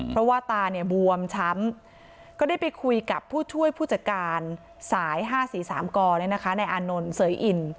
เพราะว่าตาเนี่ยบวมช้ำก็ได้ไปคุยกับผู้ช่วยผู้จัดการสาย๕๔๓กในอานนท์เสยอิน